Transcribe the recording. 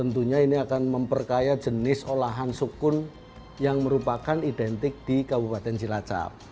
tentunya ini akan memperkaya jenis olahan sukun yang merupakan identik di kabupaten cilacap